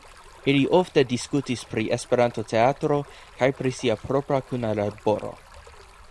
Ili ofte diskutis pri esperantoteatro kaj pri sia propra kuna laboro.